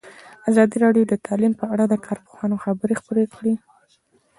ازادي راډیو د تعلیم په اړه د کارپوهانو خبرې خپرې کړي.